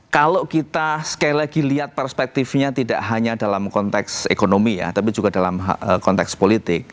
kalau kita sekali lagi lihat perspektifnya tidak hanya dalam konteks politik